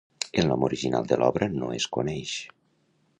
El nom original de l'obra no es coneix.